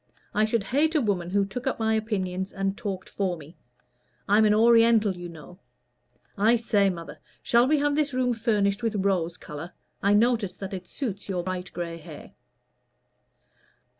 I should hate a woman who took up my opinions and talked for me. I'm an Oriental, you know. I say, mother, shall we have this room furnished with rose color? I notice that it suits your bright gray hair."